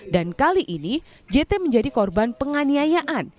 dan kali ini jt menjadi korban penganiayaan